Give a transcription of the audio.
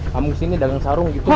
kamu di sini dagang sarung gitu